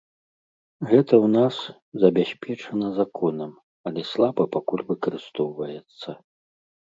Гэта ў нас забяспечана законам, але слаба пакуль выкарыстоўваецца.